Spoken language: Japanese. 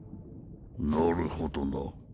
なるほどな。